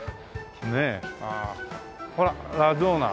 ほらラゾーナ。